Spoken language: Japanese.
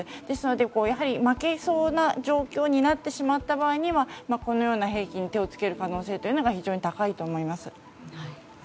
ですので、負けそうな状況になってしまった場合にはこのような兵器に手を付ける可能性が非常に高いと思います。